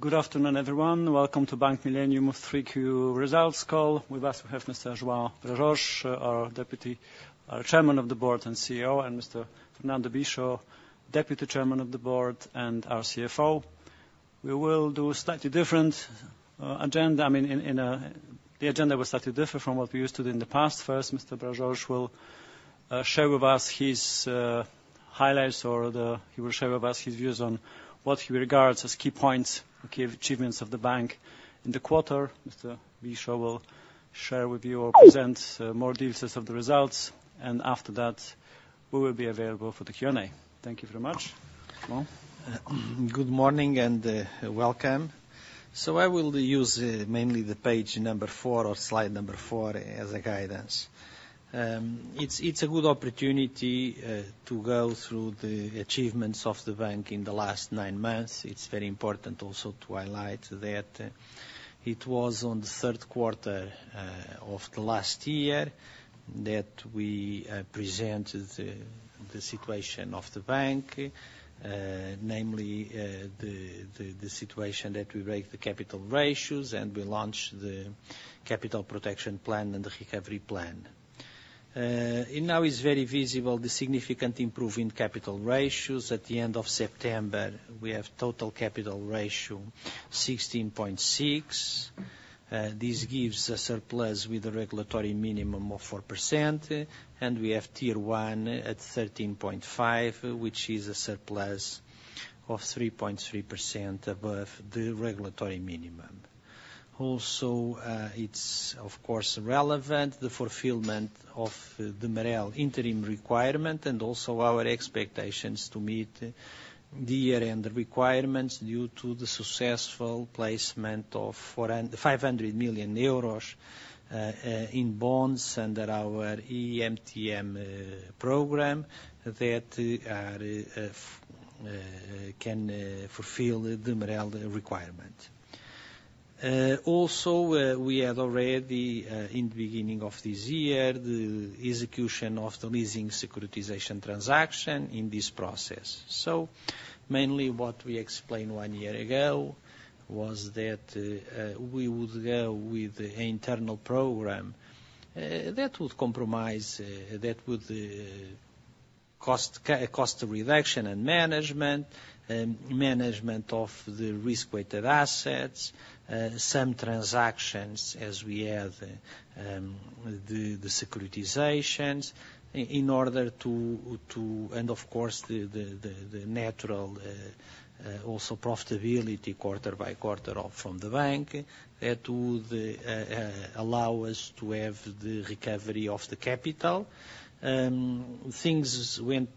Good afternoon, everyone. Welcome to Bank Millennium's 3Q results call. With us, we have Mr. João Brás Jorge, our Deputy Chairman of the Board and CEO, and Mr. Fernando Bicho, Deputy Chairman of the Board and our CFO. We will do a slightly different agenda. I mean, the agenda will slightly differ from what we used to do in the past. First, Mr. Brás Jorge will share with us his highlights, or he will share with us his views on what he regards as key points, or key achievements of the bank. In the quarter, Mr. Bicho will share with you or present more details of the results, and after that, we will be available for the Q&A. Thank you very much. João? Good morning, and welcome. So I will use mainly the page number four or slide number four as a guidance. It's a good opportunity to go through the achievements of the bank in the last nine months. It's very important also to highlight that it was on the Q3 of the last year that we presented the situation of the bank. Namely, the situation that we raised the capital ratios, and we launched the capital protection plan and the recovery plan. It now is very visible, the significant improvement in capital ratios. At the end of September, we have total capital ratio 16.6, this gives a surplus with a regulatory minimum of 4%, and we have Tier 1 at 13.5, which is a surplus of 3.3% above the regulatory minimum. Also, it's, of course, relevant, the fulfillment of the MREL interim requirement, and also our expectations to meet the year-end requirements, due to the successful placement of 500 million euros in bonds under our EMTN program, that can fulfill the MREL requirement. Also, we had already in the beginning of this year, the execution of the leasing securitization transaction in this process. So mainly what we explained one year ago was that we would go with an internal program that would compromise cost reduction and management, management of the risk-weighted assets, some transactions as we have, the securitizations in order to. And, of course, the natural also profitability quarter by quarter from the bank to allow us to have the recovery of the capital. Things went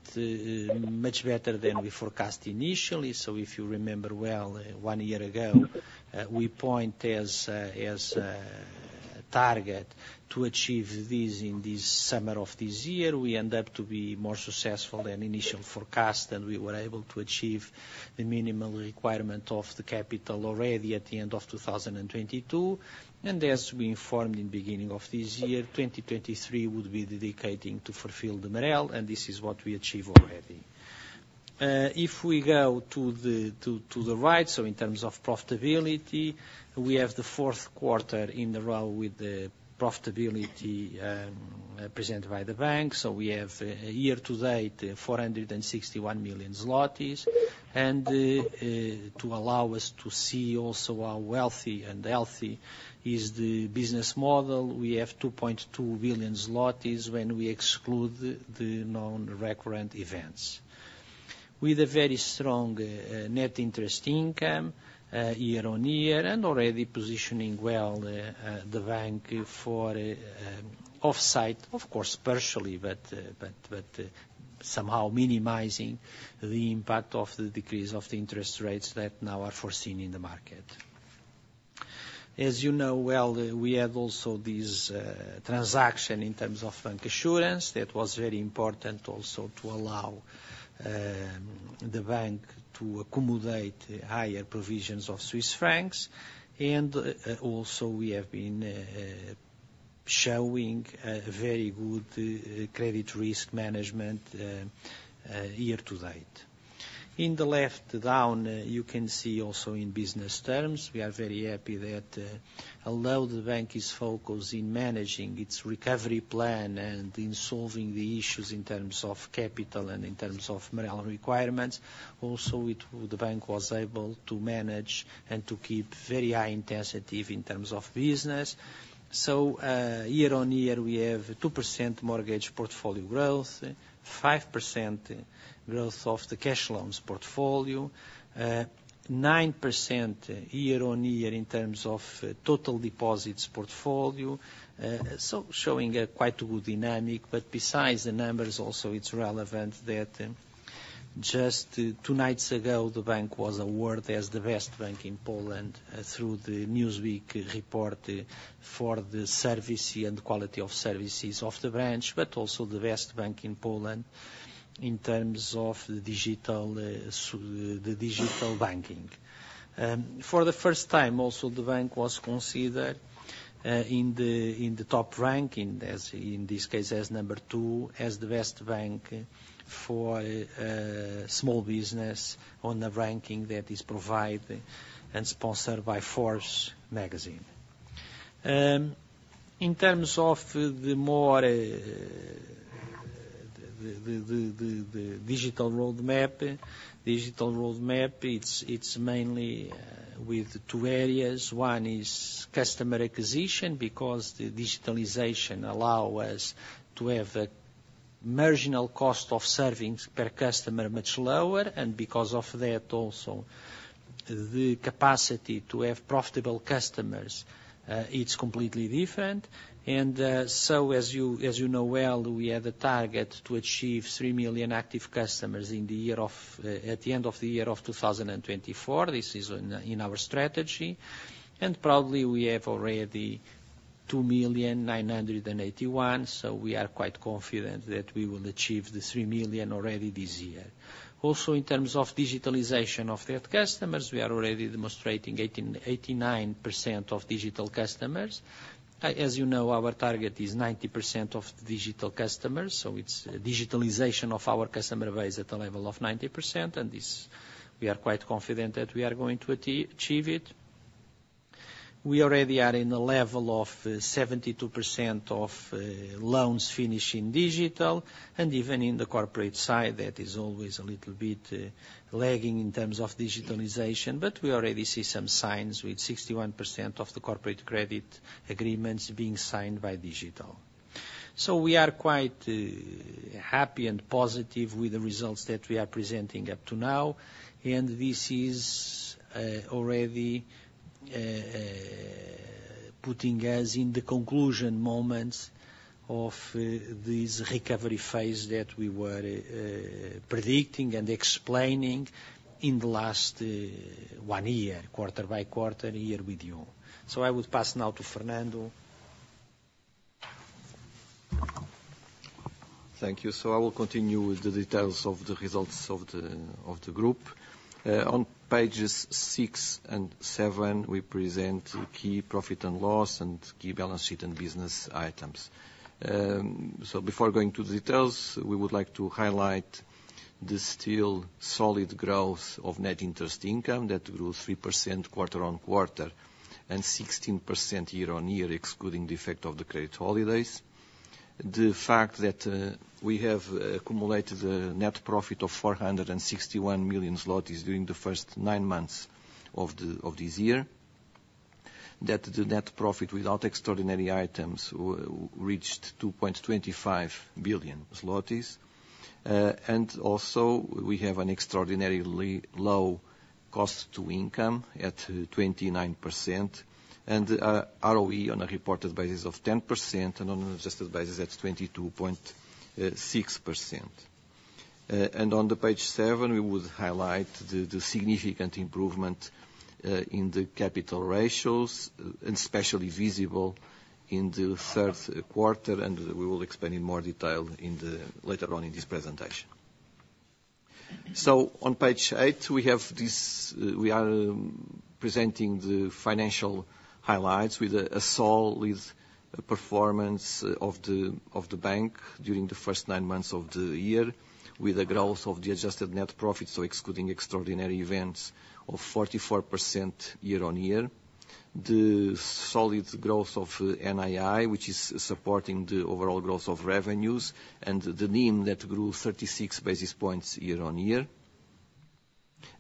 much better than we forecast initially. So if you remember well, one year ago, we point as a target to achieve this in this summer of this year. We end up to be more successful than initial forecast, and we were able to achieve the minimum requirement of the capital already at the end of 2022. And as we informed in beginning of this year, 2023 would be dedicating to fulfill the MREL, and this is what we achieve already. If we go to the right, so in terms of profitability, we have the Q4 in a row with the profitability presented by the bank. So we have year to date, 461 million zlotys. And to allow us to see also how wealthy and healthy is the business model, we have 2.2 billion zlotys when we exclude the non-recurrent events. With a very strong net interest income year-over-year, and already positioning well, the bank for, of course, partially, but somehow minimizing the impact of the decrease of the interest rates that now are foreseen in the market. As you know well, we have also this transaction in terms of bancassurance. That was very important also to allow the bank to accommodate higher provisions of Swiss francs. Also, we have been showing a very good credit risk management year to date. In the left down, you can see also in business terms, we are very happy that, although the bank is focused in managing its recovery plan and in solving the issues in terms of capital and in terms of MREL requirements, also it, the bank was able to manage and to keep very high intensity in terms of business. So, year-on-year, we have 2% mortgage portfolio growth, 5% growth of the cash loans portfolio, 9% year-on-year in terms of, total deposits portfolio. Showing a quite good dynamic, but besides the numbers, also, it's relevant that just two nights ago, the bank was awarded as the best bank in Poland through the Newsweek report for the service and quality of services of the branch, but also the best bank in Poland in terms of the digital, the digital banking. For the first time, also, the bank was considered in the top ranking, as in this case, as number two, as the best bank for small business on the ranking that is provided and sponsored by Forbes magazine. In terms of the more, the digital roadmap, digital roadmap, it's mainly with two areas. One is customer acquisition, because the digitalization allow us to have a marginal cost of servings per customer much lower, and because of that, also, the capacity to have profitable customers, it's completely different. As you know well, we have a target to achieve 3 million active customers in the year of, at the end of the year of 2024. This is in our strategy, and probably we have already 2,981, so we are quite confident that we will achieve the 3 million already this year. Also, in terms of digitalization of that customers, we are already demonstrating 80%-89% of digital customers. As you know, our target is 90% of digital customers, so it's digitalization of our customer base at a level of 90%, and this, we are quite confident that we are going to achieve it. We already are in a level of 72% of loans finished in digital, and even in the corporate side, that is always a little bit lagging in terms of digitalization. But we already see some signs with 61% of the corporate credit agreements being signed by digital. So we are quite happy and positive with the results that we are presenting up to now, and this is already putting us in the conclusion moments of this recovery phase that we were predicting and explaining in the last one year, quarter by quarter, year with you. I will pass now to Fernando. Thank you. So I will continue with the details of the results of the group. On pages six and seven, we present key profit and loss and key balance sheet and business items. So before going to the details, we would like to highlight the still solid growth of net interest income, that grew 3% quarter-on-quarter and 16% year-on-year, excluding the effect of the credit holidays. The fact that we have accumulated a net profit of 461 million zlotys during the first nine months of this year. That the net profit without extraordinary items reached 2.25 billion zlotys. And also, we have an extraordinarily low cost to income at 29%, and ROE on a reported basis of 10% and on adjusted basis, that's 22.6%. On page seven, we would highlight the significant improvement in the capital ratios, and especially visible in the Q3, and we will explain in more detail later on in this presentation. So on page eight, we have this, we are presenting the financial highlights with a solid performance of the bank during the first nine months of the year, with a growth of the adjusted net profit, so excluding extraordinary events, of 44% year-on-year. The solid growth of NII, which is supporting the overall growth of revenues, and the NIM that grew 36 basis points year-on-year.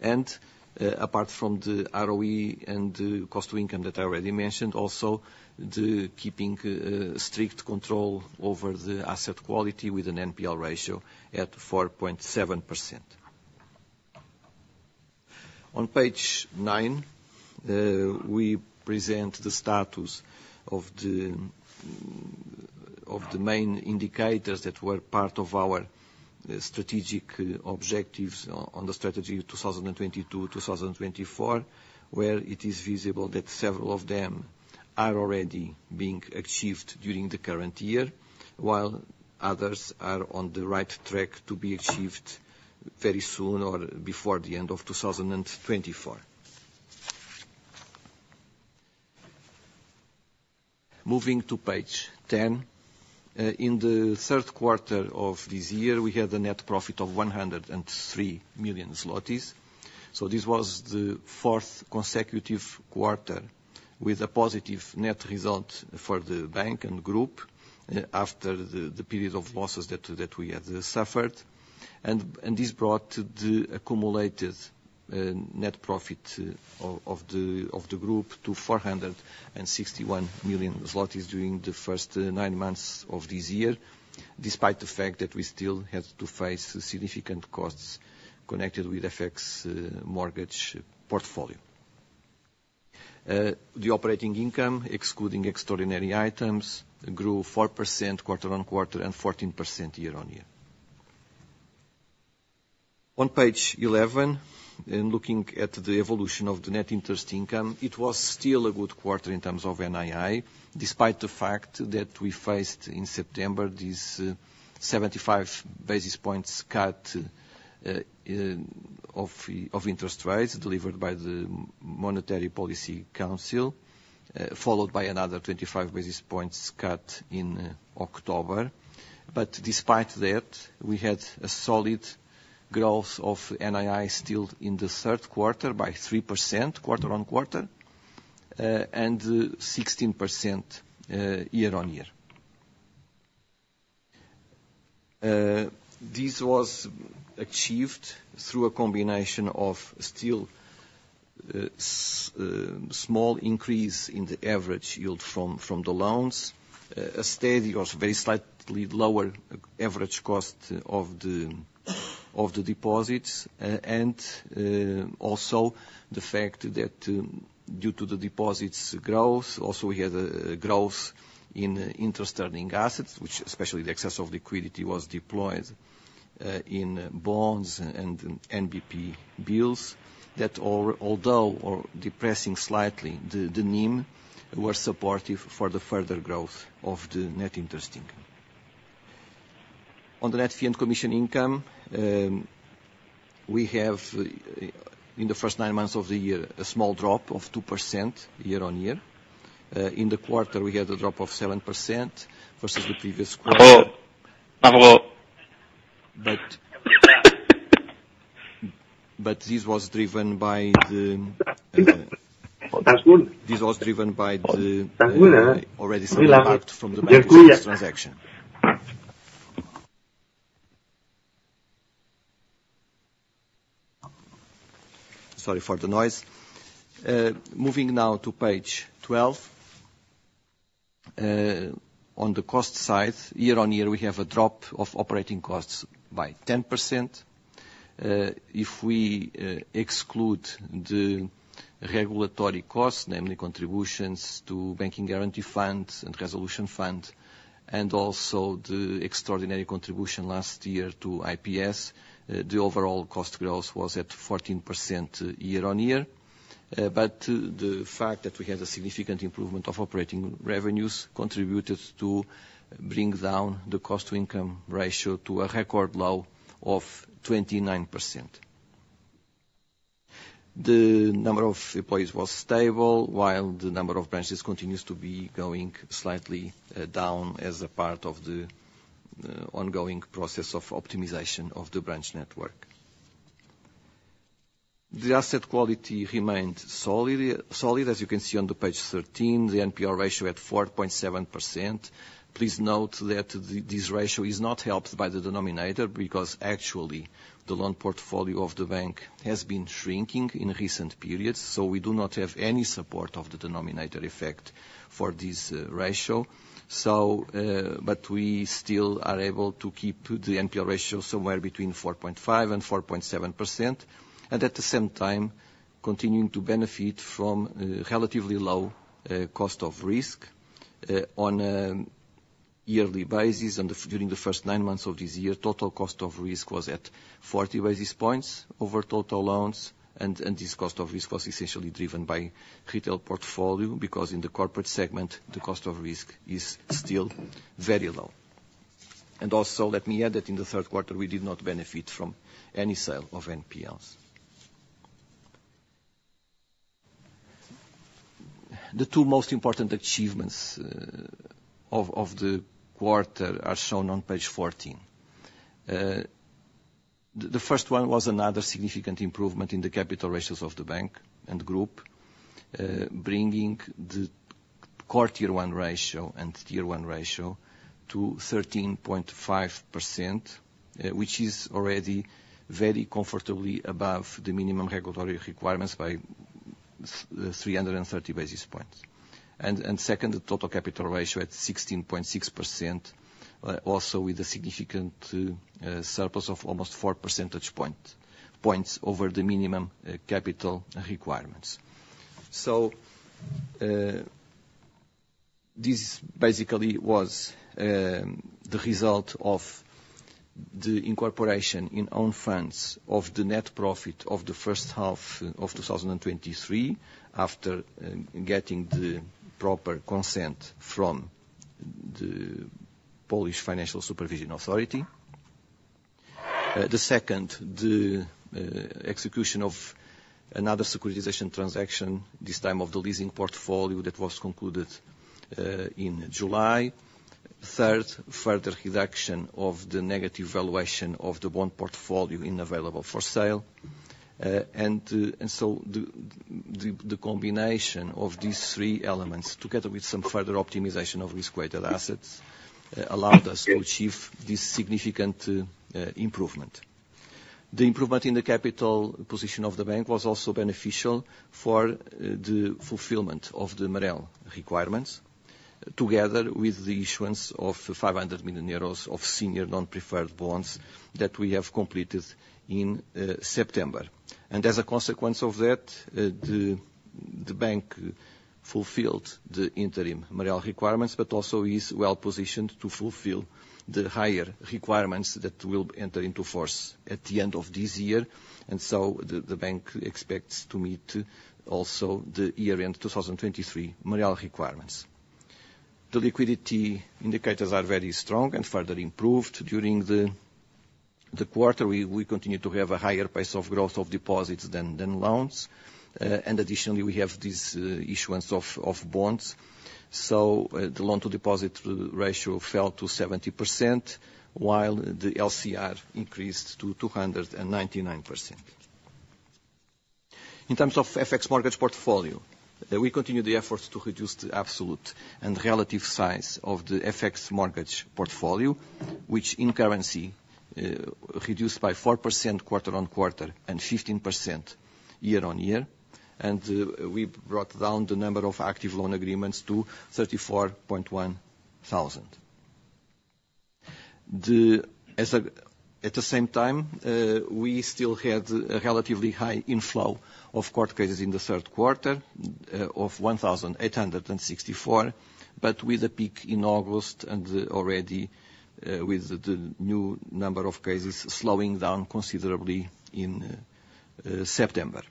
And apart from the ROE and the cost to income that I already mentioned, also keeping strict control over the asset quality with an NPL ratio at 4.7%. On page nine, we present the status of the main indicators that were part of our strategic objectives on the strategy 2022 to 2024, where it is visible that several of them are already being achieved during the current year, while others are on the right track to be achieved very soon or before the end of 2024. Moving to page ten. In the Q3 of this year, we had a net profit of 103 million zlotys. So this was the fourth consecutive quarter with a positive net result for the bank and group, after the period of losses that we had suffered. This brought the accumulated net profit of the group to 461 million zlotys during the first nine months of this year, despite the fact that we still have to face the significant costs connected with FX mortgage portfolio. The operating income, excluding extraordinary items, grew 4% quarter-on-quarter and 14% year-on-year. On page 11, in looking at the evolution of the net interest income, it was still a good quarter in terms of NII, despite the fact that we faced, in September, this 75 basis points cut of interest rates delivered by the Monetary Policy Council, followed by another 25 basis points cut in October. Despite that, we had a solid growth of NII still in the Q3 by 3% quarter-on-quarter, and 16% year-on-year. This was achieved through a combination of still small increase in the average yield from the loans, a steady or very slightly lower average cost of the deposits, and also the fact that, due to the deposits growth, also we had a growth in interest earning assets, which especially the excess of liquidity was deployed in bonds and NBP bills, that although are depressing slightly the NIM, were supportive for the further growth of the net interest income. On the net fee & commission income, we have, in the first nine months of the year, a small drop of 2% year-on-year. In the quarter, we had a drop of 7% versus the previous quarter. Hello? Pablo. But this was driven by the- That's good. This was driven by the from the transaction. Sorry for the noise. Moving now to page 12. On the cost side, year-on-year, we have a drop of operating costs by 10%. If we exclude the regulatory costs, namely contributions to banking Guarantee Funds and Resolution Fund, and also the extraordinary contribution last year to IPS, the overall cost growth was at 14% year-on-year. But the fact that we had a significant improvement of operating revenues, contributed to bring down the cost-to-income ratio to a record low of 29%. The number of employees was stable, while the number of branches continues to be going slightly down as a part of the ongoing process of optimization of the branch network. The asset quality remained solid, solid. As you can see on page 13, the NPL ratio at 4.7%. Please note that this ratio is not helped by the denominator, because actually, the loan portfolio of the bank has been shrinking in recent periods, so we do not have any support of the denominator effect for this ratio. But we still are able to keep the NPL ratio somewhere between 4.5% and 4.7%, and at the same time continuing to benefit from relatively low cost of risk on a yearly basis. During the first nine months of this year, total cost of risk was at 40 basis points over total loans, and this cost of risk was essentially driven by retail portfolio, because in the corporate segment, the cost of risk is still very low. Also, let me add, that in the Q3, we did not benefit from any sale of NPLs. The two most important achievements of the quarter are shown on page 14. The first one was another significant improvement in the capital ratios of the bank and group, bringing the Core Tier 1 ratio and Tier 1 ratio to 13.5%, which is already very comfortably above the minimum regulatory requirements by 330 basis points. Second, the total capital ratio at 16.6%, also with a significant surplus of almost 4 percentage points over the minimum capital requirements. This basically was the result of the incorporation in own funds of the net profit of the first half of 2023, after getting the proper consent from the Polish Financial Supervision Authority. The second, the execution of another securitization transaction, this time of the leasing portfolio that was concluded in July. Third, further reduction of the negative valuation of the bond portfolio unavailable for sale. And so the combination of these three elements, together with some further optimization of risk-weighted assets, allowed us to achieve this significant improvement. The improvement in the capital position of the bank was also beneficial for the fulfillment of the MREL requirements, together with the issuance of 500 million euros of senior non-preferred bonds that we have completed in September. And as a consequence of that, the bank fulfilled the interim MREL requirements, but also is well positioned to fulfill the higher requirements that will enter into force at the end of this year. And so, the bank expects to meet also the year-end 2023 MREL requirements. The liquidity indicators are very strong and further improved during the quarter. We continue to have a higher pace of growth of deposits than loans. And additionally, we have this issuance of bonds. The loan-to-deposit ratio fell to 70%, while the LCR increased to 299%. In terms of FX mortgage portfolio, we continue the efforts to reduce the absolute and relative size of the FX mortgage portfolio, which in currency reduced by 4% quarter-on-quarter, and 15% year-on-year. We brought down the number of active loan agreements to 34,100. At the same time, we still had a relatively high inflow of court cases in the Q3 of 1,864, but with a peak in August and already with the new number of cases slowing down considerably in September.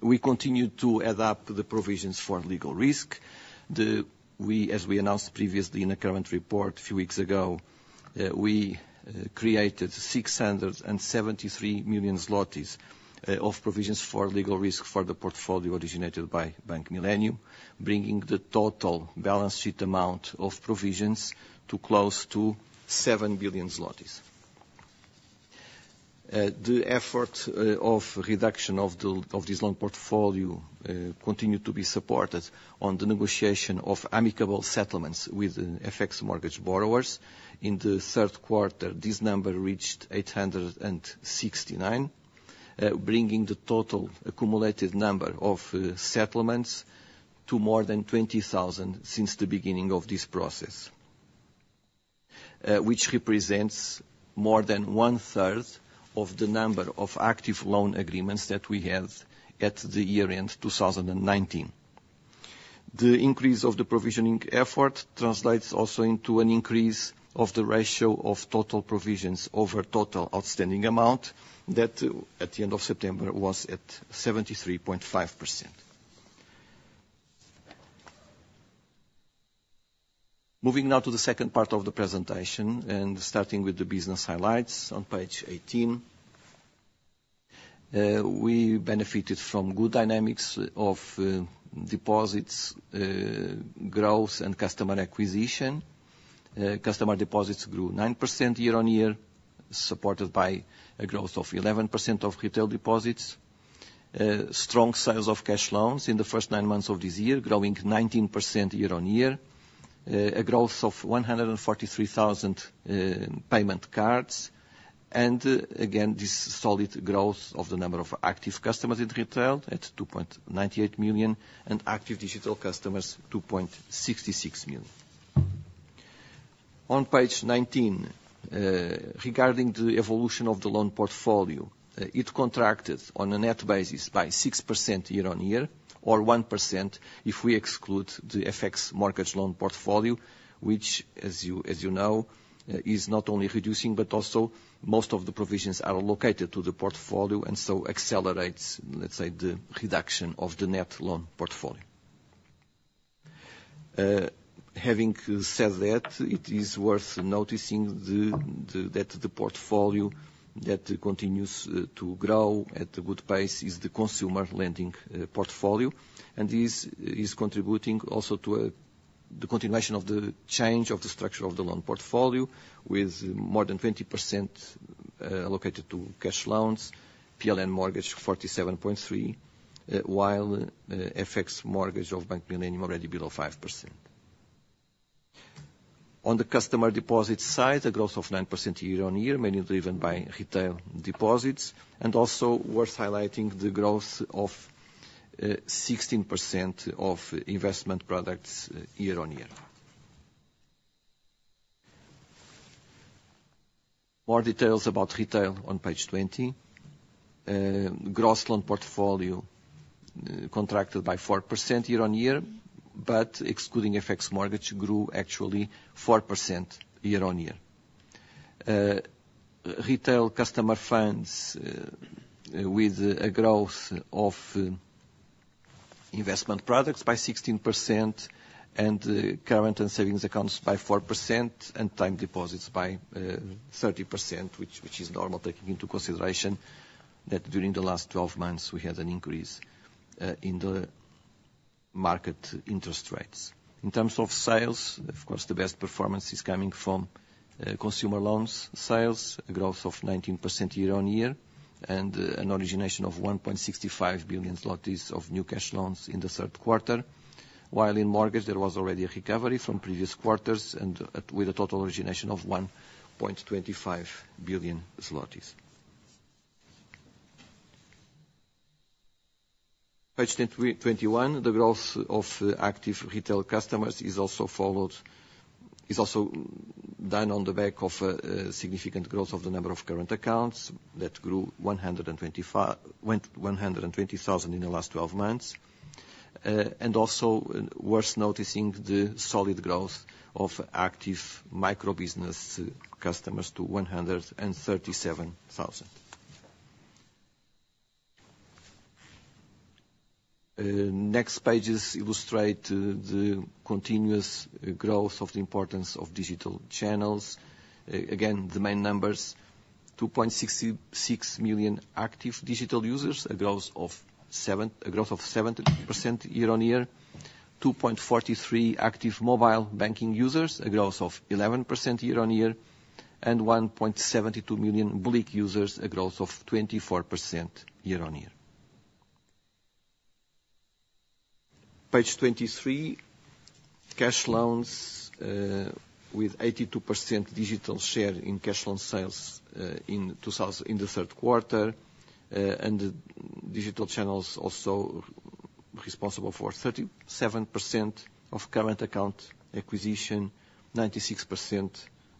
We continued to adapt the provisions for legal risk. As we announced previously in the current report a few weeks ago, we created 673 million zlotys of provisions for legal risk for the portfolio originated by Bank Millennium, bringing the total balance sheet amount of provisions to close to 7 billion zlotys. The effort of reduction of this loan portfolio continued to be supported on the negotiation of amicable settlements with FX mortgage borrowers. In the Q3, this number reached 869, bringing the total accumulated number of settlements to more than 20,000 since the beginning of this process, which represents more than one third of the number of active loan agreements that we had at the year-end 2019. The increase of the provisioning effort translates also into an increase of the ratio of total provisions over total outstanding amount, that, at the end of September, was at 73.5%. Moving now to the second part of the presentation, and starting with the business highlights on page 18. We benefited from good dynamics of, deposits, growth, and customer acquisition. Customer deposits grew 9% year-on-year, supported by a growth of 11% of retail deposits. Strong sales of cash loans in the first nine months of this year, growing 19% year-on-year. A growth of 143,000 payment cards, and, again, this solid growth of the number of active customers in retail at 2.98 million, and active digital customers, 2.66 million. On page 19, regarding the evolution of the loan portfolio, it contracted on a net basis by 6% year-on-year, or 1% if we exclude the FX mortgage loan portfolio, which, as you know, is not only reducing, but also most of the provisions are allocated to the portfolio, and so accelerates, let's say, the reduction of the net loan portfolio. Having said that, it is worth noticing that the portfolio that continues to grow at a good pace is the consumer lending portfolio. And this is contributing also to the continuation of the change of the structure of the loan portfolio, with more than 20% allocated to cash loans, PLN mortgage, 47.3, while FX mortgage of Bank Millennium already below 5%. On the customer deposit side, a growth of 9% year-on-year, mainly driven by retail deposits, and also worth highlighting, the growth of 16% of investment products year-on-year. More details about retail on page 20. Gross loan portfolio contracted by 4% year-on-year, but excluding FX mortgage, grew actually 4% year-on-year. Retail customer funds with a growth of investment products by 16%, and current and savings accounts by 4%, and time deposits by 30%, which is normal, taking into consideration that during the last 12 months, we had an increase in the market interest rates. In terms of sales, of course, the best performance is coming from consumer loans sales, a growth of 19% year-on-year, and an origination of 1.65 billion zlotys of new cash loans in the Q3. While in mortgage, there was already a recovery from previous quarters, and with a total origination of 1.25 billion zlotys. Page 21, the growth of active retail customers is also done on the back of a significant growth of the number of current accounts, that grew 120,000 in the last 12 months. And also, worth noticing, the solid growth of active microbusiness customers to 137,000. Next pages illustrate the continuous growth of the importance of digital channels. Again, the main numbers, 2.66 million active digital users, a growth of 17% year-on-year. 2.43 active mobile banking users, a growth of 11% year-on-year, and 1.72 million BLIK users, a growth of 24% year-on-year. Page 23, cash loans, with 82% digital share in cash loan sales in the Q3. And the digital channels also responsible for 37% of current account acquisition, 96%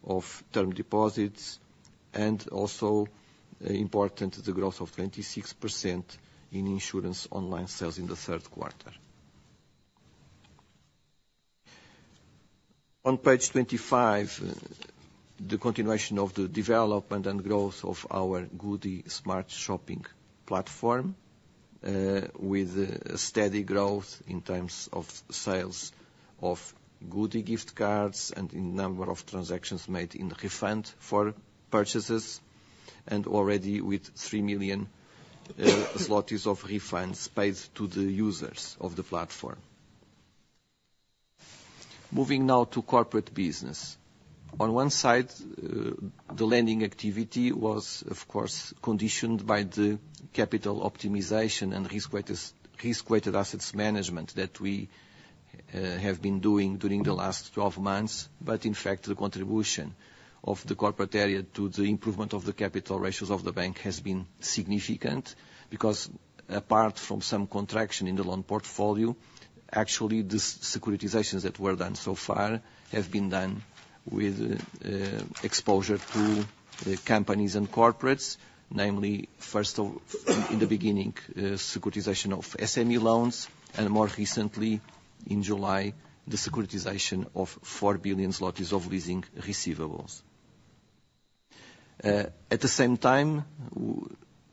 of term deposits, and also, important, the growth of 26% in insurance online sales in the Q3. On page 25, the continuation of the development and growth of our Goodie smart shopping platform, with a steady growth in terms of sales of Goodie gift cards and in number of transactions made in refund for purchases, and already with 3 million zlotys of refunds paid to the users of the platform. Moving now to corporate business. On one side, the lending activity was, of course, conditioned by the capital optimization and risk-weighted assets management that we have been doing during the last 12 months. But in fact, the contribution of the corporate area to the improvement of the capital ratios of the bank has been significant because, apart from some contraction in the loan portfolio, actually, the securitizations that were done so far have been done with exposure to companies and corporates. Namely, in the beginning, securitization of SME loans, and more recently, in July, the securitization of 4 billion zlotys of leasing receivables. At the same time,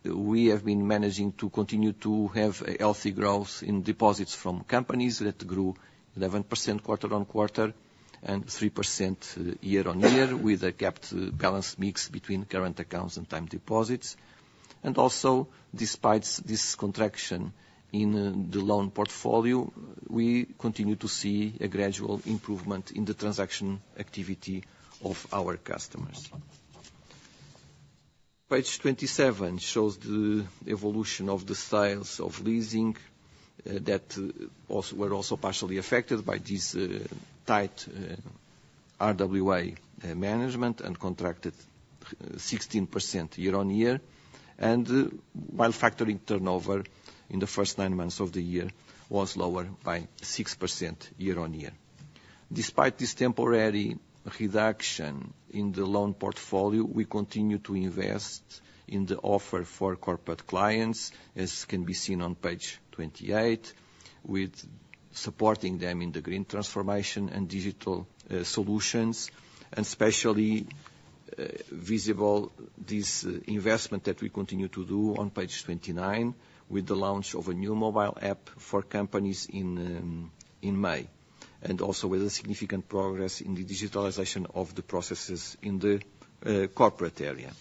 we have been managing to continue to have a healthy growth in deposits from companies that grew 11% quarter-on-quarter and 3% year-on-year, with a capped balance mix between current accounts and time deposits. And also, despite this contraction in the loan portfolio, we continue to see a gradual improvement in the transaction activity of our customers. Page 27 shows the evolution of the sales of leasing that also were partially affected by this tight RWA management, and contracted 16% year-on-year. And while factoring turnover in the first nine months of the year was lower by 6% year-on-year. Despite this temporary reduction in the loan portfolio, we continue to invest in the offer for corporate clients, as can be seen on page 28, with supporting them in the green transformation and digital solutions, and especially visible this investment that we continue to do on page 29, with the launch of a new mobile app for companies in May, and also with a significant progress in the digitalization of the processes in the corporate area.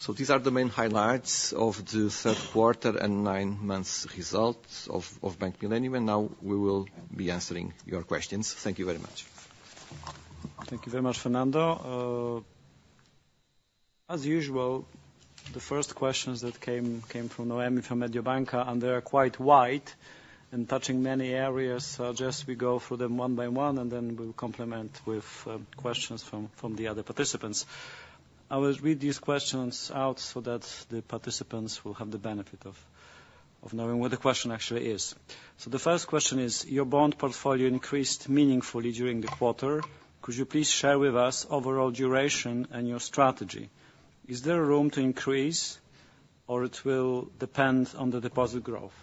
So these are the main highlights of the Q3 and nine months results of Bank Millennium, and now we will be answering your questions. Thank you very much. Thank you very much, Fernando. As usual, the first questions that came from Noemi, from Mediobanca, and they are quite wide and touching many areas. So I'll just, we go through them one by one, and then we'll complement with questions from the other participants. I will read these questions out so that the participants will have the benefit of knowing what the question actually is. So the first question is: Your bond portfolio increased meaningfully during the quarter. Could you please share with us overall duration and your strategy? Is there room to increase, or it will depend on the deposit growth?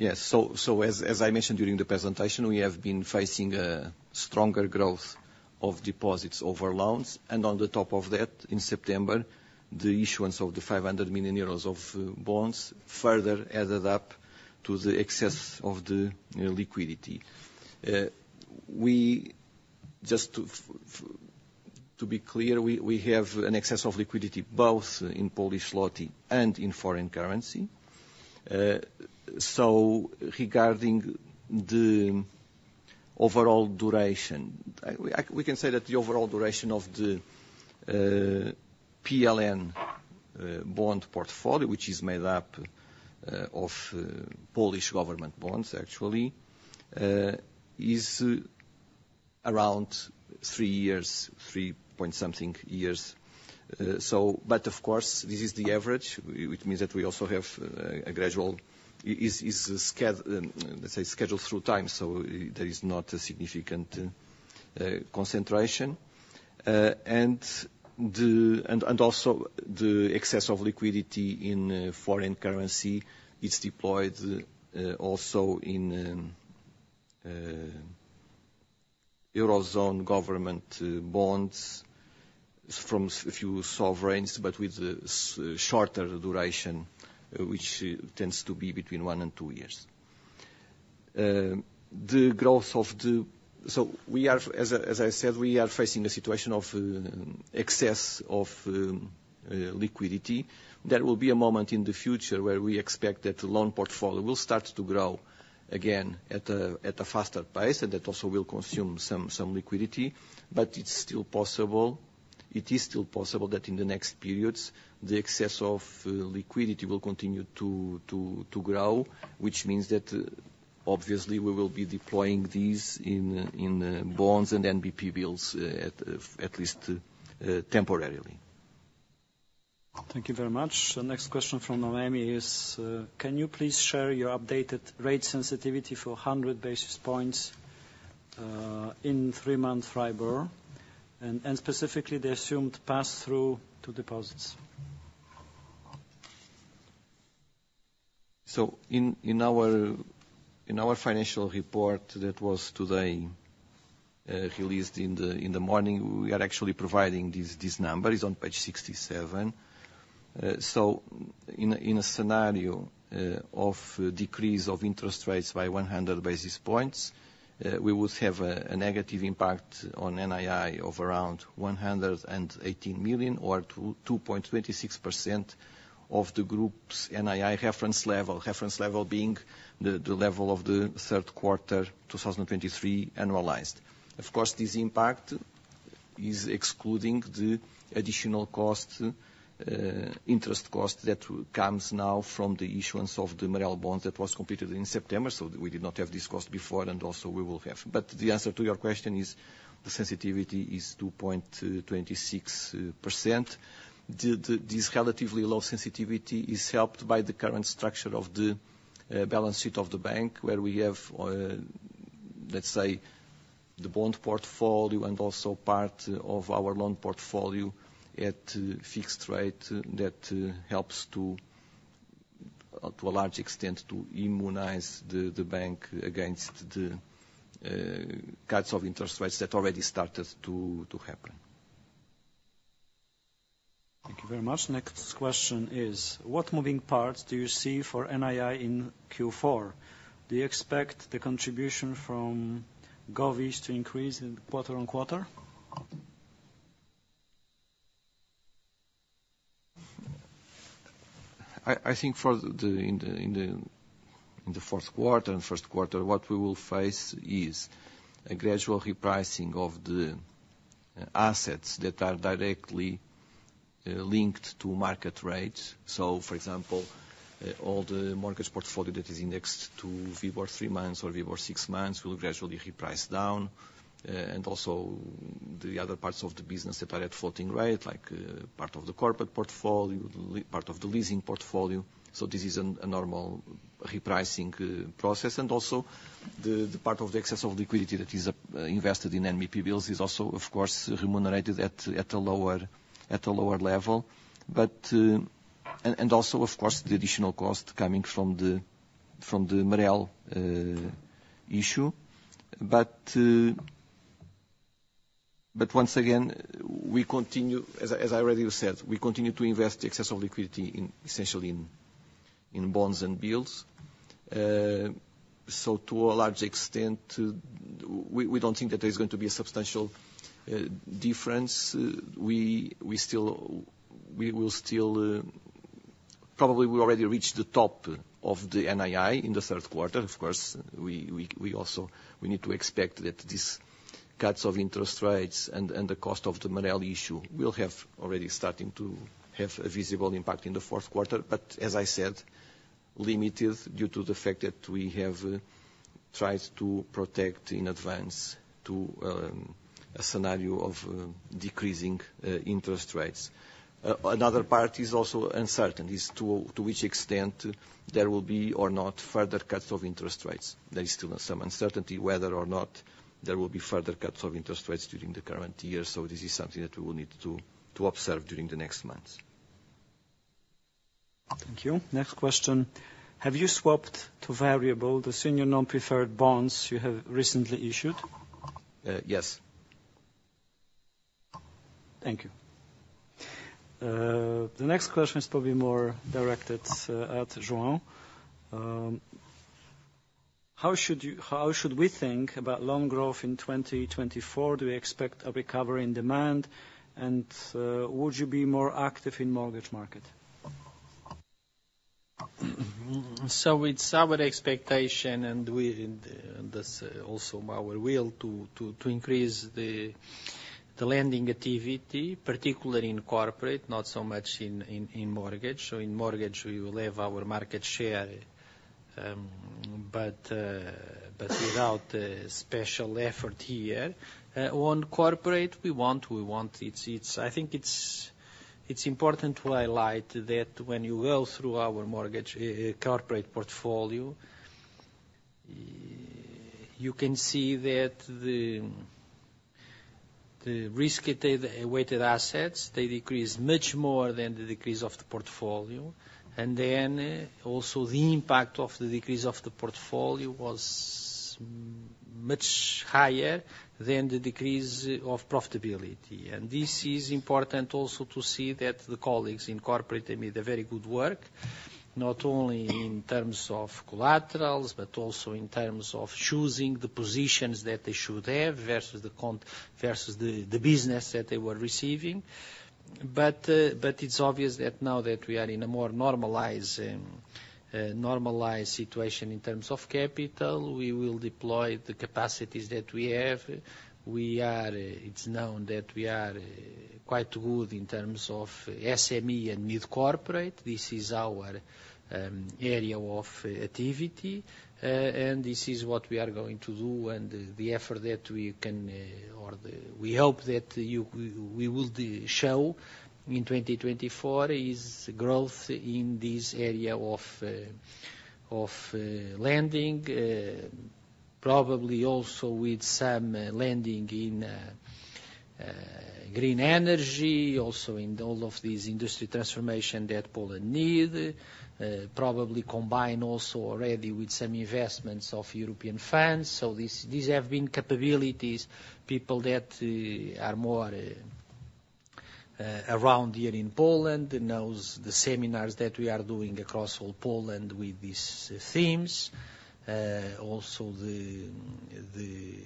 Yes. So, as I mentioned during the presentation, we have been facing a stronger growth of deposits over loans, and on the top of that, in September, the issuance of 500 million euros of bonds further added up to the excess of the liquidity. Just to be clear, we have an excess of liquidity, both in Polish złoty and in foreign currency. So regarding the overall duration, we can say that the overall duration of the PLN bond portfolio, which is made up of Polish government bonds, actually, is around three years, three-point-something years. So but, of course, this is the average, which means that we also have a gradual, let's say, scheduled through time, so there is not a significant concentration. And also, the excess of liquidity in foreign currency is deployed also in Eurozone government bonds from a few sovereigns, but with a shorter duration, which tends to be between one and two years. So we are, as I said, facing a situation of excess of liquidity. There will be a moment in the future where we expect that the loan portfolio will start to grow again at a faster pace, and that also will consume some liquidity. But it's still possible, it is still possible that in the next periods, the excess of liquidity will continue to grow, which means that, obviously, we will be deploying these in bonds and NBP bills at least temporarily. Thank you very much. The next question from Noem is: Can you please share your updated rate sensitivity for 100 basis points in three-month WIBOR? And specifically, the assumed pass-through to deposits. So in our financial report that was today released in the morning, we are actually providing these numbers on page 67. So in a scenario of decrease of interest rates by 100 basis points, we would have a negative impact on NII of around 118 million, or 2.26% of the group's NII reference level, reference level being the level of the Q3 2023 annualized. Of course, this impact is excluding the additional cost, interest cost that comes now from the issuance of the MREL bonds that was completed in September, so we did not have this cost before, and also we will have. But the answer to your question is, the sensitivity is 2.26%. This relatively low sensitivity is helped by the current structure of the balance sheet of the bank, where we have, let's say, the bond portfolio and also part of our loan portfolio at fixed rate. That helps to a large extent to immunize the bank against the cuts of interest rates that already started to happen. Thank you very much. Next question is: What moving parts do you see for NII in Q4? Do you expect the contribution from govies to increase in quarter-on-quarter? I think for the Q4 and Q1, what we will face is a gradual repricing of the assets that are directly linked to market rates. So, for example, all the mortgage portfolio that is indexed to WIBOR 3M or WIBOR 6M, will gradually reprice down, and also the other parts of the business that are at floating rate, like, part of the corporate portfolio, part of the leasing portfolio. So this is a normal repricing process. And also, the part of the excess of liquidity that is invested in NBP bills is also, of course, remunerated at a lower level. But-And also, of course, the additional cost coming from the MREL issue. We continue, as I already said, we continue to invest excess liquidity in, essentially, in bonds and bills. To a large extent, we don't think that there's going to be a substantial difference. We still, we will still-Probably we already reached the top of the NII in the Q3. Of course, we also, we need to expect that these cuts of interest rates and the cost of the MREL issue will have already started to have a visible impact in the Q4, but as I said, limited due to the fact that we have tried to protect in advance to a scenario of decreasing interest rates. Another part is also uncertain, to which extent there will be or not further cuts of interest rates. There is still some uncertainty whether or not there will be further cuts of interest rates during the current year, so this is something that we will need to observe during the next months. Thank you. Next question: Have you swapped to variable, the Senior Non-Preferred Bonds you have recently issued? Uh, yes. Thank you. The next question is probably more directed at João. How should you, how should we think about loan growth in 2024? Do you expect a recovery in demand? And, would you be more active in mortgage market? So it's our expectation, and we, that's also our will, to increase the lending activity, particularly in corporate, not so much in mortgage. So in mortgage, we will have our market share, but without a special effort here. On corporate, we want. It's important to highlight that when you go through our mortgage, corporate portfolio, you can see that the risk-weighted assets they decrease much more than the decrease of the portfolio. And then, also, the impact of the decrease of the portfolio was much higher than the decrease of profitability. This is important also to see that the colleagues in corporate, they made a very good work, not only in terms of collaterals, but also in terms of choosing the positions that they should have, versus the business that they were receiving. But it's obvious that now that we are in a more normalized situation in terms of capital, we will deploy the capacities that we have. It's known that we are quite good in terms of SME and mid-corporate. This is our area of activity, and this is what we are going to do, and the effort that we hope we will show in 2024 is growth in this area of lending. Probably also with some lending in green energy, also in all of these industry transformation that Poland need, probably combine also already with some investments of European funds. So these have been capabilities, people that are more around here in Poland, knows the seminars that we are doing across all Poland with these themes. Also the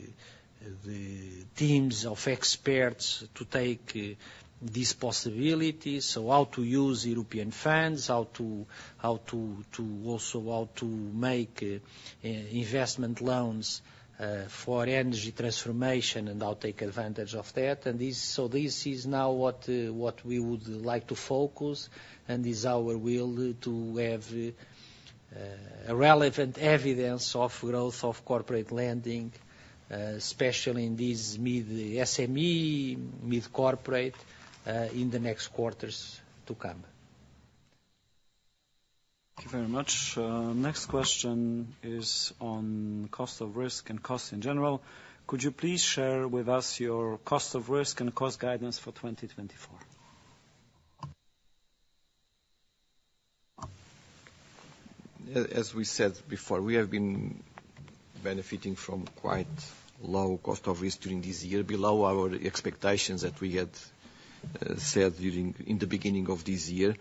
teams of experts to take these possibilities. So how to use European funds, how to also how to make investment loans for energy transformation, and how to take advantage of that. And this, so this is now what we would like to focus, and is our will to have a relevant evidence of growth of corporate lending, especially in these mid, SME, mid-corporate, in the next quarters to come. Thank you very much. Next question is on cost of risk and cost in general: Could you please share with us your cost of risk and cost guidance for 2024? As we said before, we have been benefiting from quite low cost of risk during this year, below our expectations that we had said during in the beginning of this year.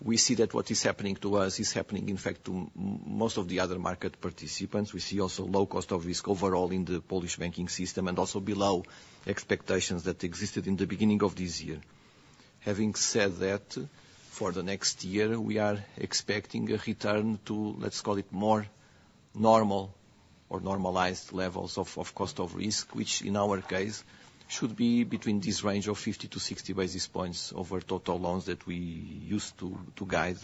We see that what is happening to us is happening, in fact, to most of the other market participants. We see also low cost of risk overall in the Polish banking system, and also below expectations that existed in the beginning of this year. Having said that, for the next year, we are expecting a return to, let's call it, more normal or normalized levels of cost of risk, which in our case, should be between this range of 50-60 basis points over total loans that we used to guide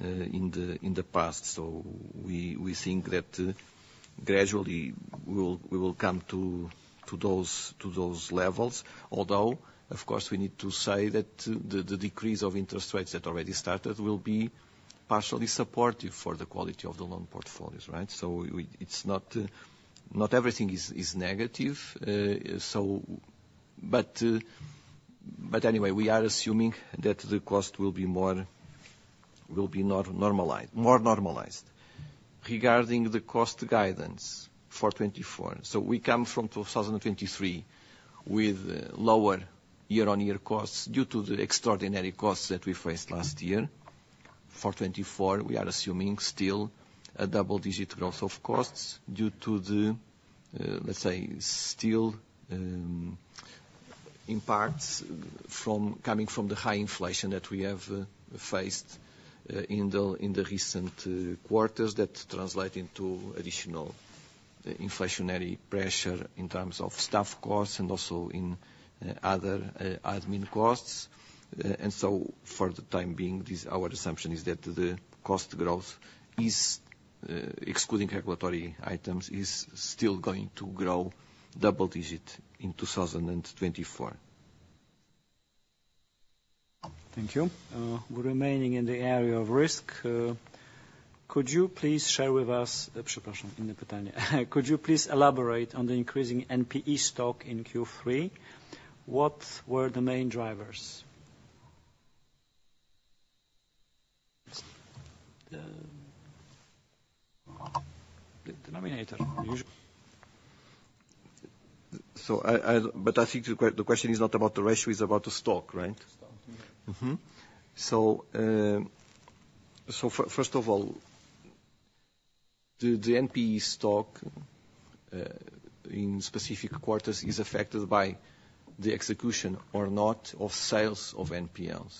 in the past. So we think that gradually we will come to those levels. Although, of course, we need to say that the decrease of interest rates that already started will be partially supportive for the quality of the loan portfolios, right? So it's not everything is negative. So-But anyway, we are assuming that the cost will be more normalized. Regarding the cost guidance for 2024, so we come from 2023 with lower year-on-year costs due to the extraordinary costs that we faced last year. For 2024, we are assuming still a double-digit growth of costs due to the, let's say, still in parts from coming from the high inflation that we have faced in the recent quarters, that translate into additional inflationary pressure in terms of staff costs and also in other admin costs. And so for the time being, this our assumption is that the cost growth is excluding regulatory items is still going to grow double digit in 2024. Thank you. Remaining in the area of risk, could you please elaborate on the increasing NPE stock in Q3? What were the main drivers? The denominator usually. So I, but I think the question is not about the ratio, it's about the stock, right? The stock. Mm-hmm. So, first of all, the NPE stock in specific quarters is affected by the execution or not of sales of NPLs,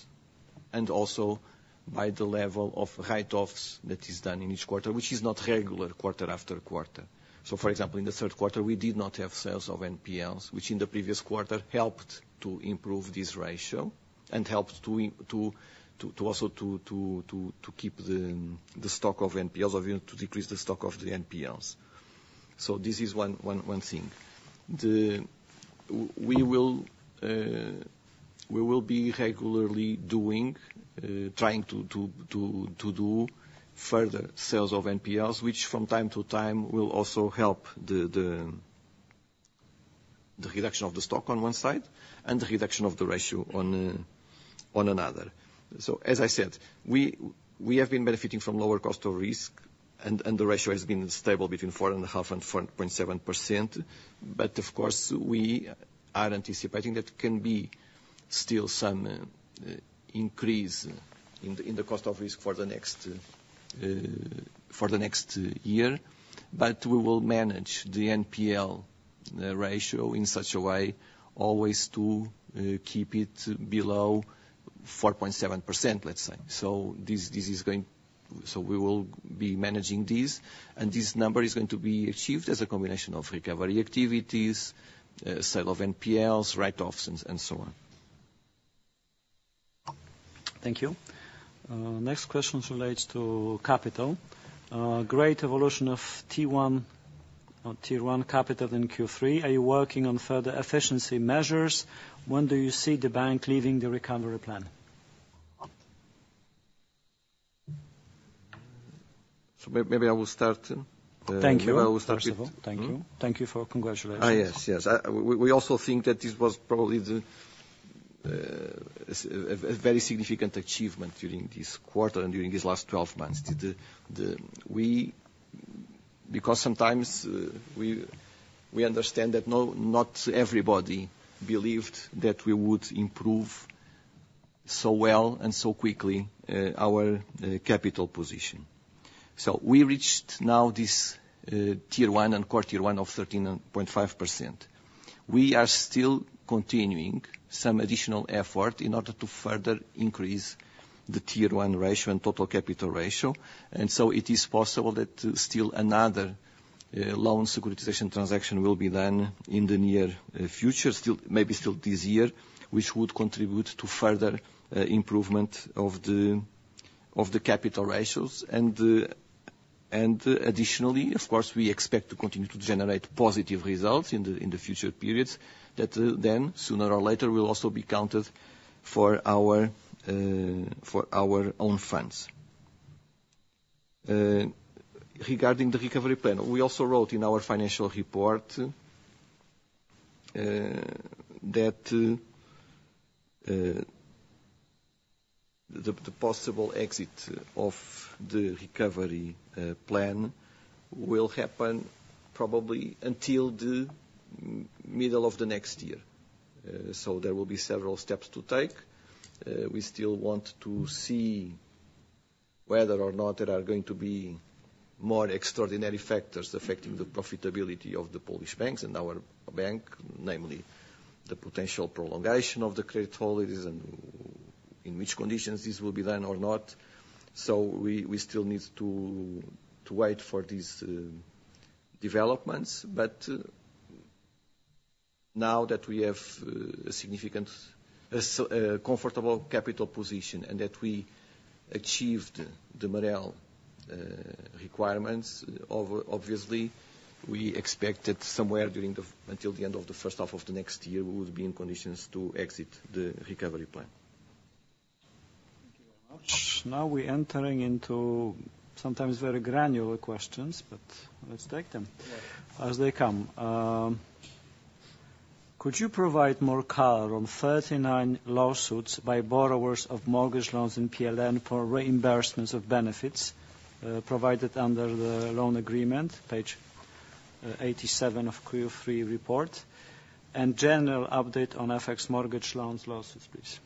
and also by the level of write-offs that is done in each quarter, which is not regular quarter after quarter. So, for example, in the Q3, we did not have sales of NPLs, which in the previous quarter helped to improve this ratio and helped to also keep the stock of NPLs, or even to decrease the stock of the NPLs. So this is one thing. We will be regularly trying to do further sales of NPLs, which from time to time will also help the, the reduction of the stock on one side, and the reduction of the ratio on another. So as I said, we have been benefiting from lower cost of risk, and the ratio has been stable between 4.5% and 4.7%. But of course, we are anticipating that can be still some increase in the cost of risk for the next year. But we will manage the NPL ratio in such a way, always to keep it below 4.7%, let's say. So this is going. So we will be managing this, and this number is going to be achieved as a combination of recovery activities, sale of NPLs, write-offs, and so on. Thank you. Next question relates to capital. Great evolution of T1, or Tier 1 capital in Q3. Are you working on further efficiency measures? When do you see the bank leaving the recovery plan? So maybe I will start. Thank you. I will start it. First of all, thank you. Thank you for congratulations. Yes. We also think that this was probably a very significant achievement during this quarter and during these last 12 months. Because sometimes we understand that not everybody believed that we would improve so well and so quickly our capital position. So we reached now this Tier 1 and Core Tier 1 of 13.5%. We are still continuing some additional effort in order to further increase the Tier 1 ratio and total capital ratio, and so it is possible that still another loan securitization transaction will be done in the near future, still, maybe still this year, which would contribute to further improvement of the capital ratios. Additionally, of course, we expect to continue to generate positive results in the future periods that then, sooner or later, will also be counted for our own funds. Regarding the recovery plan, we also wrote in our financial report that the possible exit of the recovery plan will happen probably until the middle of the next year. So there will be several steps to take. We still want to see whether or not there are going to be more extraordinary factors affecting the profitability of the Polish banks and our bank, namely, the potential prolongation of the credit holidays, and in which conditions this will be done or not. So we still need to wait for these developments. But now that we have a significant, comfortable capital position, and that we achieved the MREL requirements, obviously, we expect that somewhere during, until the end of the first half of the next year, we will be in conditions to exit the recovery plan. Thank you very much. Now we're entering into sometimes very granular questions, but let's take them- Yeah -as they come. Could you provide more color on 39 lawsuits by borrowers of mortgage loans in PLN for reimbursements of benefits, provided under the loan agreement, page, 87 of Q3 report, and general update on FX mortgage loans lawsuits, please?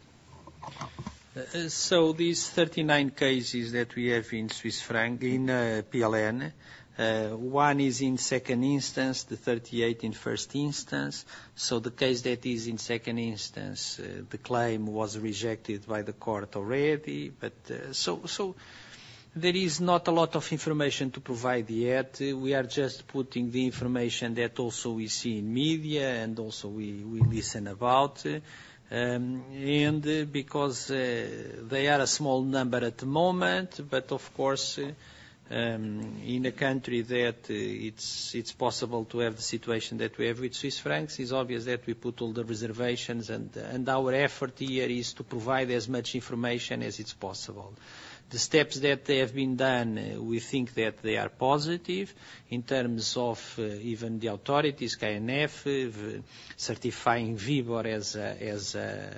So these 39 cases that we have in Swiss franc, in PLN, one is in second instance, the 38 in first instance. So the case that is in second instance, the claim was rejected by the court already. But so there is not a lot of information to provide yet. We are just putting the information that also we see in media, and also we listen about. And because they are a small number at the moment, but of course, in a country that it's possible to have the situation that we have with Swiss francs, it's obvious that we put all the reservations. And our effort here is to provide as much information as is possible. The steps that have been done, we think that they are positive in terms of even the authorities, KNF, certifying WIBOR as a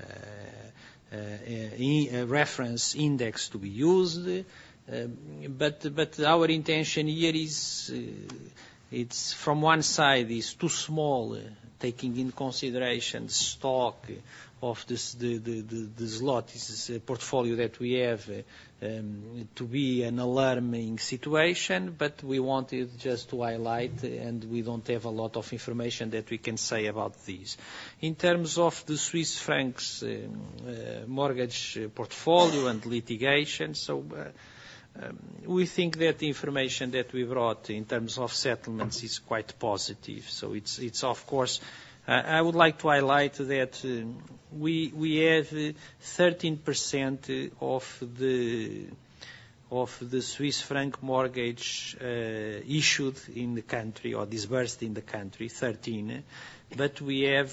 reference index to be used. Our intention here is, from one side, it's too small, taking in consideration stock of this portfolio that we have, to be an alarming situation. We wanted just to highlight, and we don't have a lot of information that we can say about this. In terms of the Swiss francs mortgage portfolio and litigation, we think that the information that we brought in terms of settlements is quite positive. It's, of course- I would like to highlight that we have 13% of the Swiss franc mortgage issued in the country or disbursed in the country, 13. But we have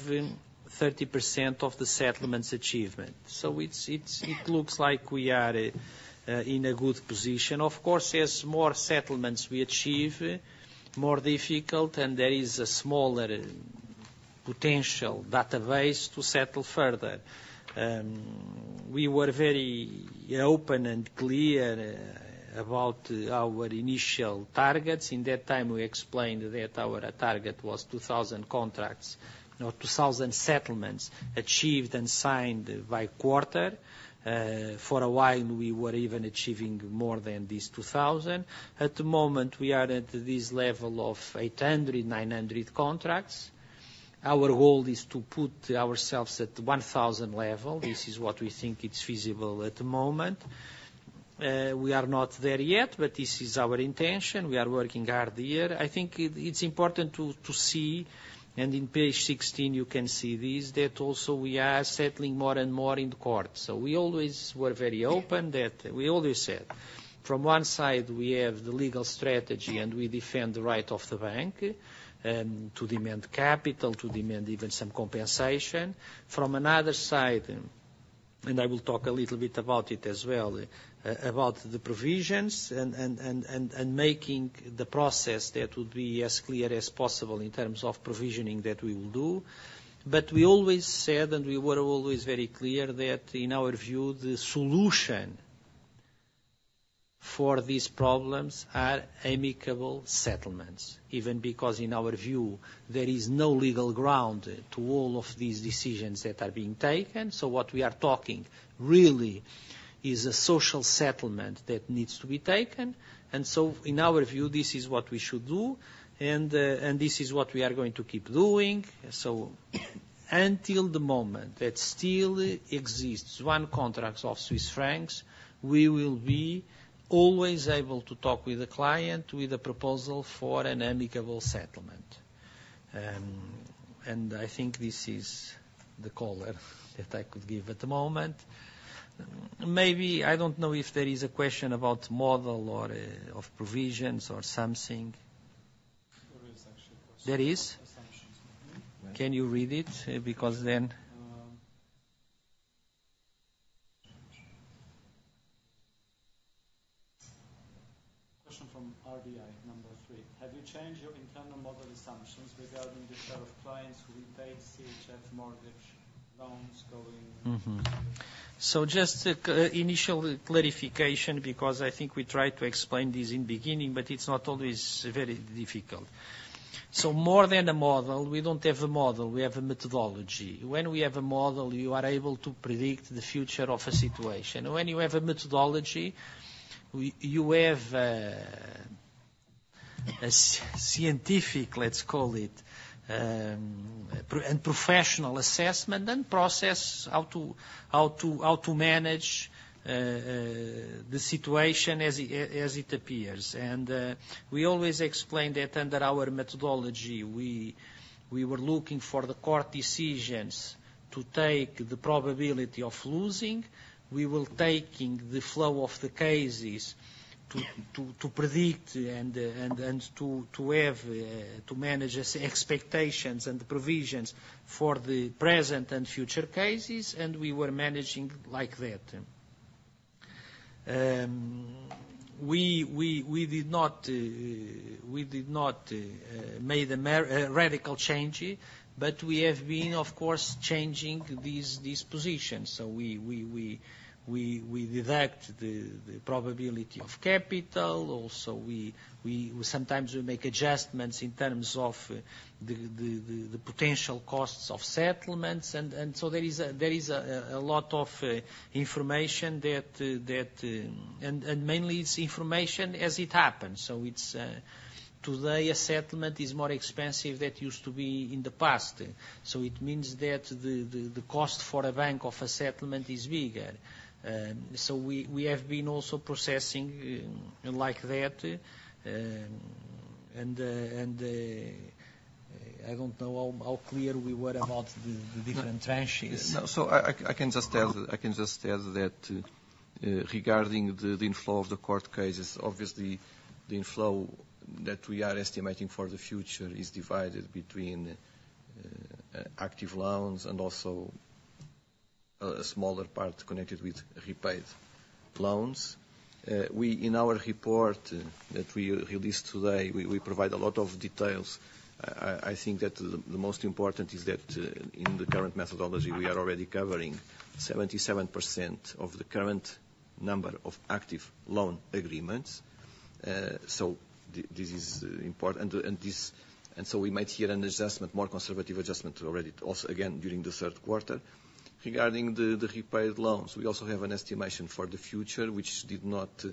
30% of the settlements achievement. So it looks like we are in a good position. Of course, as more settlements we achieve, more difficult, and there is a smaller potential database to settle further. We were very open and clear about our initial targets. In that time, we explained that our target was 2,000 contracts, you know, 2,000 settlements achieved and signed by quarter. For a while, we were even achieving more than these 2,000. At the moment, we are at this level of 800, 900 contracts. Our goal is to put ourselves at the 1,000 level. This is what we think it's feasible at the moment. We are not there yet, but this is our intention. We are working hard here. I think it's important to see, and on page 16, you can see this, that also we are settling more and more in court. So we always were very open that we always said, from one side, we have the legal strategy, and we defend the right of the bank to demand capital, to demand even some compensation. From another side, and I will talk a little bit about it as well, about the provisions and making the process that will be as clear as possible in terms of provisioning that we will do. But we always said, and we were always very clear that in our view, the solution for these problems are amicable settlements. Even because, in our view, there is no legal ground to all of these decisions that are being taken. So what we are talking really is a social settlement that needs to be taken, and so in our view, this is what we should do, and, and this is what we are going to keep doing. So until the moment that still exists, one contract of Swiss francs, we will be always able to talk with the client, with the proposal for an amicable settlement. And I think this is the call that I could give at the moment. Maybe, I don't know if there is a question about model or of provisions or something. There is actually a question. There is? Assumptions. Can you read it? Because then- Question from RBI, number three: Have you changed your internal model assumptions regarding the share of clients who repay CHF mortgage loans going? Mm-hmm. So just a initial clarification, because I think we tried to explain this in the beginning, but it's not always very difficult. So more than a model, we don't have a model; we have a methodology. When we have a model, you are able to predict the future of a situation. When you have a methodology, we-you have a scientific, let's call it, professional assessment and process how to manage the situation as it appears. And we always explain that under our methodology, we were looking for the court decisions to take the probability of losing. We were taking the flow of the cases to predict and to have to manage as expectations and provisions for the present and future cases, and we were managing like that. We did not make a radical change, but we have been, of course, changing these positions. So we deduct the probability of capital. Also, we sometimes make adjustments in terms of the potential costs of settlements, and so there is a lot of information that-And mainly it's information as it happens. So it's today, a settlement is more expensive than it used to be in the past. So it means that the cost for a bank of a settlement is bigger. So we have been also processing like that, and I don't know how clear we were about the different tranches. So I can just add that, regarding the inflow of the court cases, obviously the inflow that we are estimating for the future is divided between active loans and also a smaller part connected with repaid loans. In our report that we released today, we provide a lot of details. I think that the most important is that in the current methodology, we are already covering 77% of the current number of active loan agreements. So this is important, and so we might hear an assessment, more conservative adjustment already, also again, during the Q3. Regarding the repaid loans, we also have an estimation for the future, which did not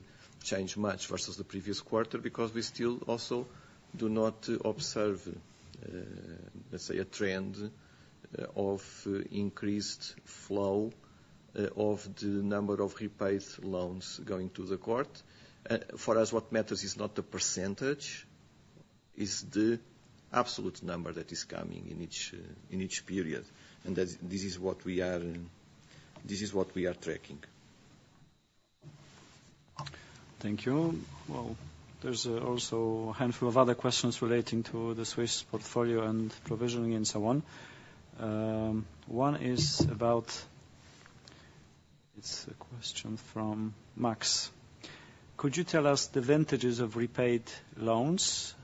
change much versus the previous quarter, because we still also do not observe, let's say, a trend of increased flow of the number of repaid loans going to the court. For us, what matters is not the percentage, it's the absolute number that is coming in each, in each period, and that this is what we are, this is what we are tracking. Thank you. Well, there's also a handful of other questions relating to the Swiss portfolio and provisioning and so on. One is about, it's a question from Max: Could you tell us the vintages of repaid loans?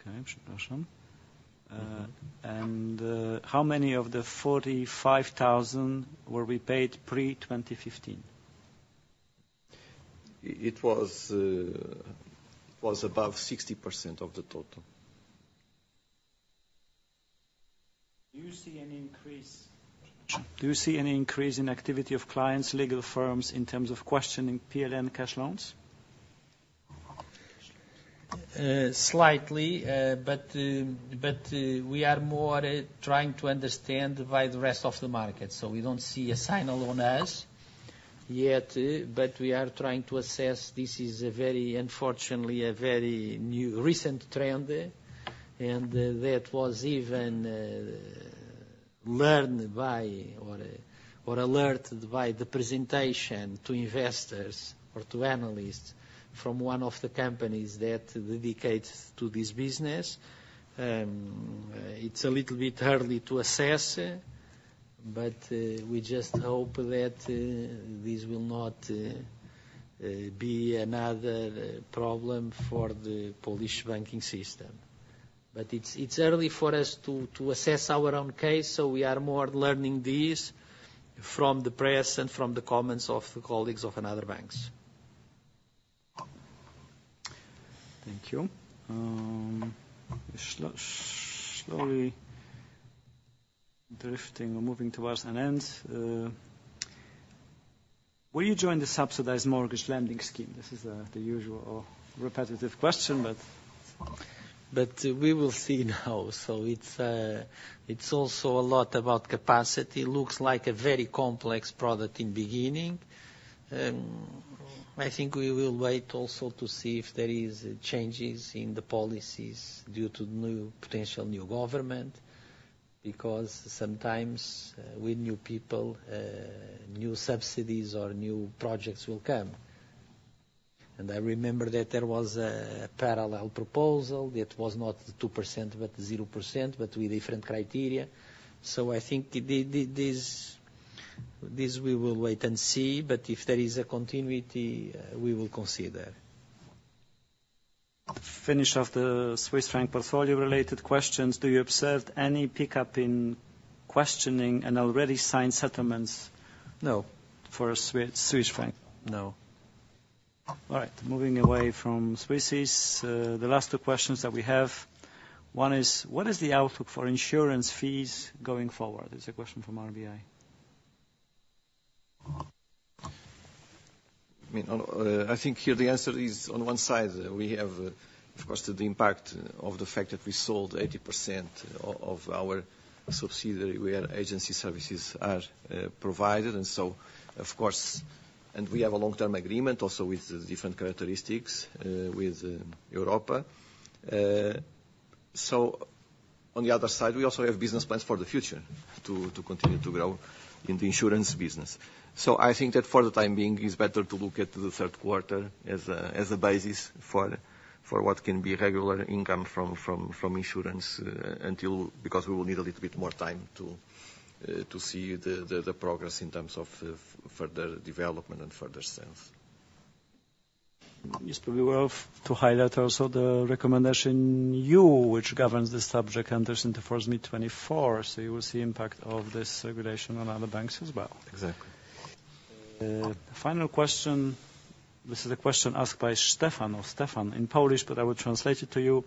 Okay, Przepraszam. And, how many of the 45,000 were repaid pre-2015? It was above 60% of the total. Do you see any increase, do you see any increase in activity of clients, legal firms, in terms of questioning PLN cash loans? Slightly, but, but, we are more trying to understand why the rest of the market, so we don't see a sign alone as yet, but we are trying to assess. This is a very, unfortunately, a very new, recent trend, and that was even learned by or, or alerted by the presentation to investors or to analysts from one of the companies that dedicates to this business. It's a little bit early to assess, but we just hope that this will not be another problem for the Polish banking system. But it's early for us to assess our own case, so we are more learning this from the press and from the comments of the colleagues of another banks. Thank you. Slowly drifting or moving towards an end. Will you join the subsidized mortgage lending scheme? This is the usual repetitive question, but- We will see now. So it's also a lot about capacity. Looks like a very complex product in beginning. I think we will wait also to see if there is changes in the policies due to new, potential new government, because sometimes, with new people, new subsidies or new projects will come. And I remember that there was a parallel proposal that was not 2%, but 0%, but with different criteria. So I think this, we will wait and see, but if there is a continuity, we will consider. Finish off the Swiss franc portfolio-related questions: Do you observed any pickup in questioning and already signed settlements? No. For a Swiss franc? No. All right, moving away from Swissies. The last two questions that we have, one is: What is the outlook for insurance fees going forward? It's a question from RBI. I mean, I think here the answer is, on one side, we have, of course, the impact of the fact that we sold 80% of our subsidiary, where agency services are provided. And so, of course... And we have a long-term agreement also with the different characteristics with Europa. So on the other side, we also have business plans for the future to continue to grow in the insurance business. So I think that for the time being, it's better to look at the Q3 as a basis for what can be regular income from insurance, until... Because we will need a little bit more time to see the progress in terms of further development and further sales. Mr. Bicho, to highlight also the Recommendation U, which governs this subject, enters into force mid-2024, so you will see impact of this regulation on other banks as well. Exactly. The final question, this is a question asked by Stefan or Stefan in Polish, but I will translate it to you: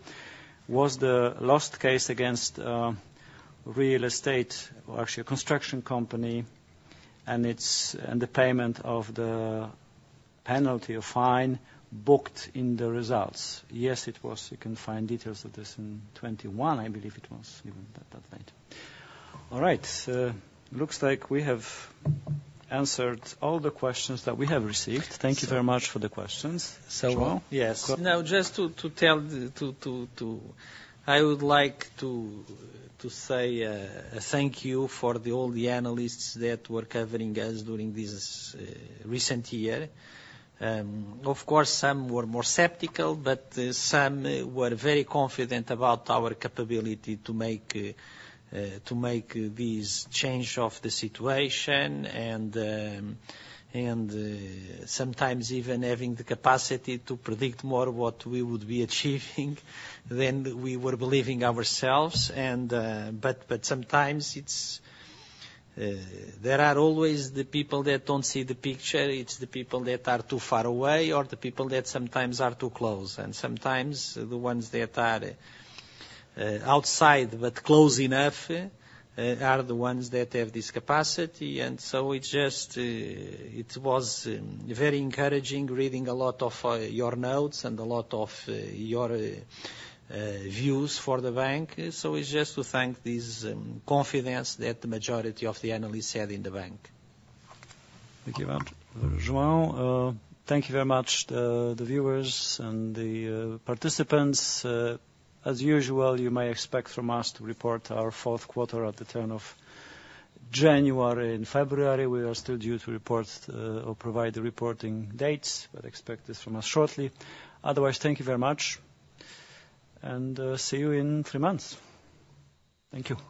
Was the lost case against real estate or actually a construction company, and it's, and the payment of the penalty or fine booked in the results? Yes, it was. You can find details of this in 2021, I believe it was, even that, that late. All right, looks like we have answered all the questions that we have received. Thank you very much for the questions. João? Sure. Yes. Now, just to tell- I would like to say thank you to all the analysts that were covering us during this recent year. Of course, some were more skeptical, but some were very confident about our capability to make this change of the situation, and sometimes even having the capacity to predict more what we would be achieving than we were believing ourselves. And, but sometimes it's there are always the people that don't see the picture. It's the people that are too far away or the people that sometimes are too close, and sometimes the ones that are outside, but close enough are the ones that have this capacity. It was very encouraging reading a lot of your notes and a lot of your views for the bank. So it's just to thank this confidence that the majority of the analysts had in the bank. Thank you, João. Thank you very much, the viewers and the participants. As usual, you may expect from us to report our Q4 at the turn of January and February. We are still due to report or provide the reporting dates, but expect this from us shortly. Otherwise, thank you very much, and see you in three months. Thank you.